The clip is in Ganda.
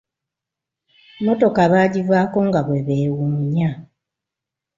Motoka baagivaako nga bwe beewunya.